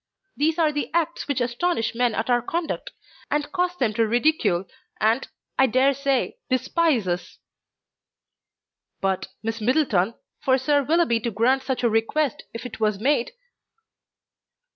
These are the acts which astonish men at our conduct, and cause them to ridicule and, I dare say, despise us." "But, Miss Middleton, for Sir Willoughby to grant such a request, if it was made